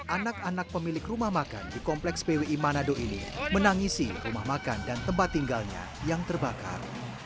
anak anak pemilik rumah makan di kompleks pwi manado ini menangisi rumah makan dan tempat tinggalnya yang terbakar